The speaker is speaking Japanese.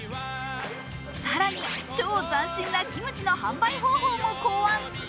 更に超斬新なキムチの販売方法も考案。